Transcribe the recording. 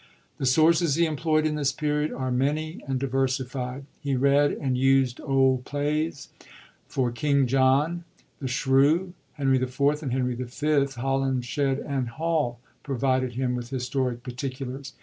The Sources he employd in this Period are many and diversified. He read and used old plays for King John, the Shrew, Henry IV. and Henry V, Holinshed and Hall provided him with historic particulars.